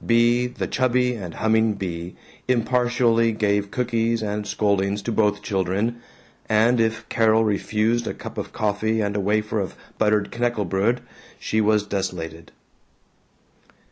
Bea, the chubby and humming Bea, impartially gave cookies and scoldings to both children, and if Carol refused a cup of coffee and a wafer of buttered knackebrod, she was desolated.